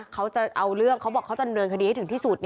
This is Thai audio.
เขาจะเอาเรื่องเขาบอกเขาจะดำเนินคดีให้ถึงที่สุด